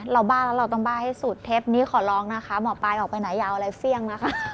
เราต้องฝ่าให้สูตรเทปนี้ขอลองหมอปายออกไปไหนอย่าแววอะไรเฟี่ยง